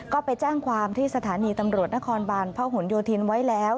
ก็ไปแจ้งความที่สถานีตำรวจนครบานพระหลโยธินไว้แล้ว